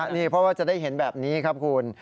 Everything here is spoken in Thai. นี่เพราะว่าจะได้เห็นแบบนี้ครับคุณ